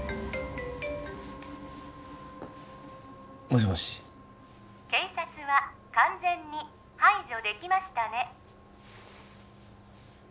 もしもし警察は完全に排除できましたね